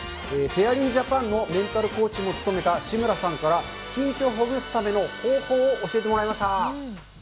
フェアリージャパンのメンタルコーチも務めた志村さんから、緊張をほぐすための方法を教えてもらいました。